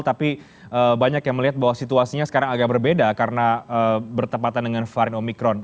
tapi banyak yang melihat bahwa situasinya sekarang agak berbeda karena bertepatan dengan varian omikron